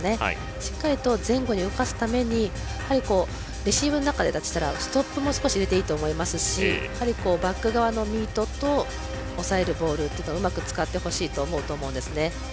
しっかりと前後に動かすためにレシーブの中でストップも少し入れていいと思いますしバック側のミートと抑えるボールうまく使ってほしいと思うと思うんですね。